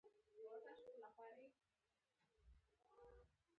تک شین دی.